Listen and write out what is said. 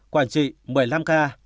quản trị một mươi năm ca